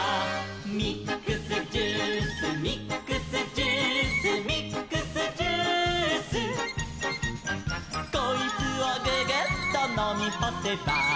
「ミックスジュースミックスジュース」「ミックスジュース」「こいつをググッとのみほせば」